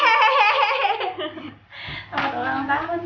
selamat ulang tahun